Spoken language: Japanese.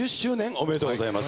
おめでとうございます。